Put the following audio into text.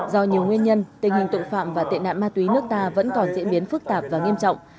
do nhiều nguyên nhân tình hình tội phạm và tệ nạn ma túy nước ta vẫn còn diễn biến phức tạp và nghiêm trọng